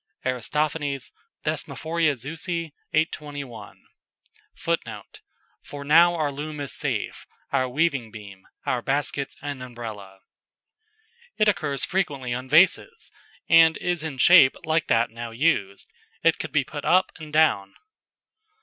Aristophanes, Thesmoph., 821. [Footnote: "For now our loom is safe, our weaving beam, our baskets and umbrella."] It occurs frequently on vases, and is in shape like that now used. It could be put up and down.